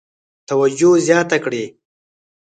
توجه زیاته کړي.